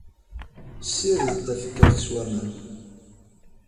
Sired tafekka-k s waman.